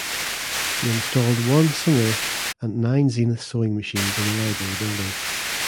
He installed one Singer and nine Zenith sewing machines in the library building.